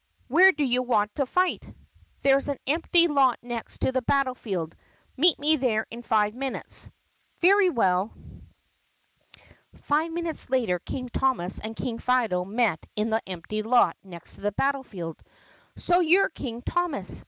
"Where do you want to fight?" "There 's an empty lot next to the battle field. Meet me there in five minutes." "Very well." Five minutes later King Thomas and King Fido met in the empty lot next to the battle field. "So you' re King Thomas?"